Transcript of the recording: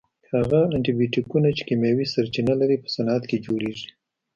هغه انټي بیوټیکونه چې کیمیاوي سرچینه لري په صنعت کې جوړیږي.